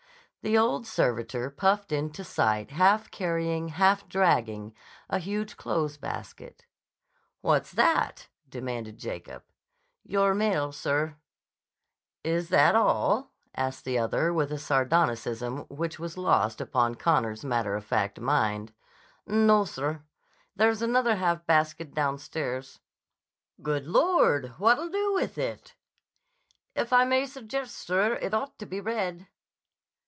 The old servitor puffed into sight half carrying, half dragging a huge clothes basket. "What's that?" demanded Jacob': "Your mail, sir." "Is that all?" asked the other, with a sardonicism which was lost upon Connor's matter of fact mind. "No, sir. There's another half basket downstairs." "Good Lord! What'll do with it?" "If I may suggest, sir, it ought to be read."